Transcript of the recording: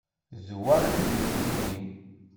D wa i d lmektub-im.